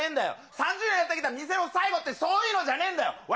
３０年やってきた店の最後ってそういうのじゃねえんだよ。